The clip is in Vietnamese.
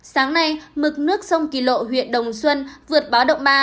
sáng nay mực nước sông kỳ lộ huyện đồng xuân vượt báo động ba